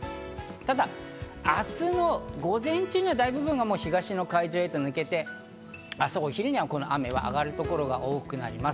ただ明日の午前中にはだいぶ雲が東の海上へと抜けて、明日お昼にはこの雨が上がる所が多くなります。